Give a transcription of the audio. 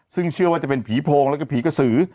ซึ่งเชื่อว่าจะเป็นผีโพงแล้วก็ผีกระสือ